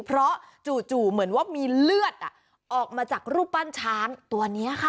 เพราะจู่เหมือนว่ามีเลือดออกมาจากรูปปั้นช้างตัวนี้ค่ะ